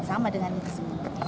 sama dengan itu semua